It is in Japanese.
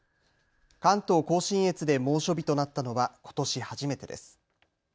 関東甲信越で猛暑日となったのはことし初めてです。